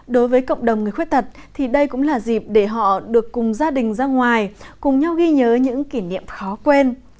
đối với cộng đồng người khuyết tật thì đây cũng là dịp để họ được cùng gia đình ra ngoài cùng nhau ghi nhớ những kỷ niệm khó quên